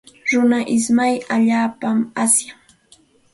Runa ismay allaapaqmi asyan.